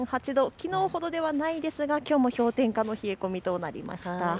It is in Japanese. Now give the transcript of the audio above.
きのうほどではないですがきょうも氷点下の冷え込みとなりました。